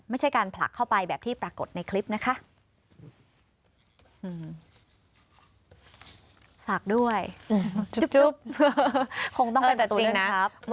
ไม่ใช่การผลักเข้าไปแบบที่ปรากฏในคลิปนะคะ